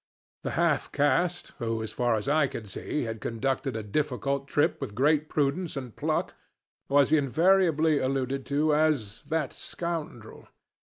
The half caste, who, as far as I could see, had conducted a difficult trip with great prudence and pluck, was invariably alluded to as 'that scoundrel.'